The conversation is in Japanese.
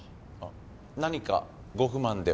何かご不満でも？